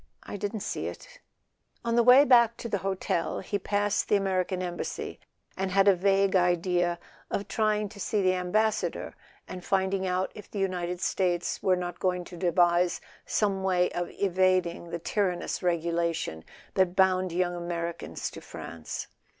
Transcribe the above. I didn't see it." [ 70 ] A SON AT THE FRONT On the way back to the hotel he passed the Amer¬ ican Embassy, and had a vague idea of trying to see the Ambassador and find out if the United States were not going to devise some way of evading the tyrannous regulation that bound young Americans to France.